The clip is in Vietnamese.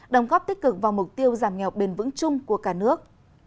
đồng góp tích cực vào mục tiêu giảm nghèo bền vững chung của cả nước